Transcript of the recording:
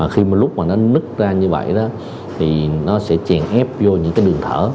khi mà lúc mà nó nứt ra như vậy đó thì nó sẽ chèn ép vô những cái đường thở